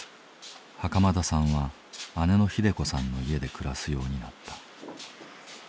袴田さんは姉の秀子さんの家で暮らすようになった。